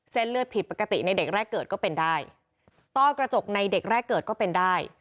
เลือดผิดปกติในเด็กแรกเกิดก็เป็นได้ต้อกระจกในเด็กแรกเกิดก็เป็นได้